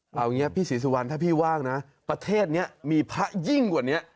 เอาอย่างนี้พี่ศรีสุวรรณถ้าพี่ว่างนะประเทศนี้มีพระยิ่งกว่านี้